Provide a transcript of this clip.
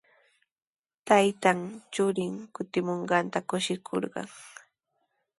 Taytan churin kutimunqanta kushikurqan.